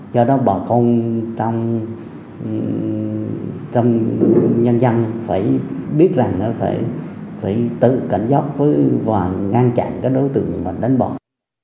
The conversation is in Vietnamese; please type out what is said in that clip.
do đó bà công trong nhân dân phải biết rằng nó phải tự cảnh giác và ngăn chặn đối tượng đánh bạc